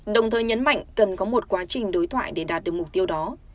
đồng thời nhấn mạnh cần có một quá trình đối thoại để đạt được mục tiêu đó